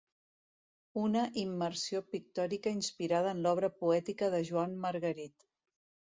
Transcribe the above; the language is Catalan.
"Una immersió pictòrica inspirada en l'obra poètica de Joan Margarit"